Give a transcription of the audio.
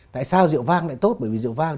tại sao rượu vang lại tốt bởi vì rượu vang